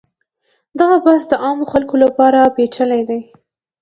دغه بحث د عامو خلکو لپاره پیچلی دی.